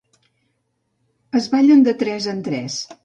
Es ballen de tres en tres.